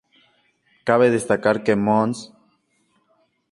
Cabe destacar que Mons.